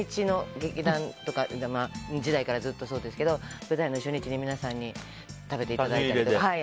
劇団時代からずっとそうですけど舞台の初日に皆さんに食べていただいたり。